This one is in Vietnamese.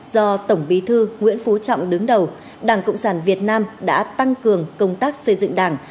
do tổng bí thư nguyễn phú trọng đứng đầu đảng cộng sản việt nam đã tăng cường công tác xây dựng đảng